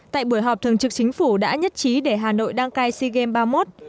tại buổi họp thường trực chính phủ đã nhất trí để hà nội đăng cai sea games ba mươi một